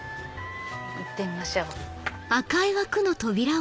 行ってみましょう。